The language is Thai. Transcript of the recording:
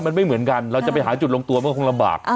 มันไม่เหมือนกันเราจะไปหาจุดลงตัวก็คงลำบาก